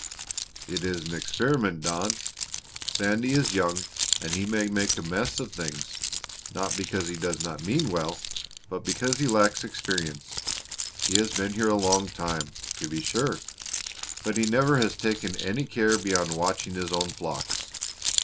"It is an experiment, Don. Sandy is young and he may make a mess of things not because he does not mean well, but because he lacks experience. He has been here a long time, to be sure, but he never has taken any care beyond watching his own flocks."